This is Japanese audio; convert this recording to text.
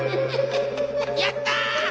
やった！